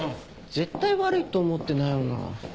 絶対悪いと思ってないよな。